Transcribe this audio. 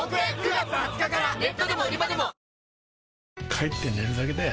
帰って寝るだけだよ